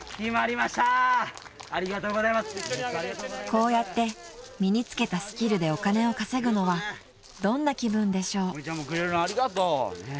［こうやって身に付けたスキルでお金を稼ぐのはどんな気分でしょう］